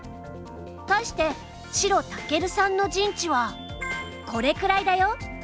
対して白威さんの陣地はこれくらいだよ。